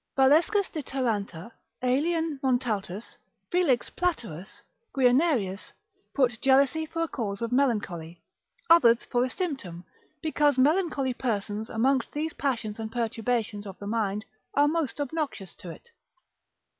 Valescus de Taranta cap. de Melanchol. Aelian Montaltus, Felix Platerus, Guianerius, put jealousy for a cause of melancholy, others for a symptom; because melancholy persons amongst these passions and perturbations of the mind, are most obnoxious to it.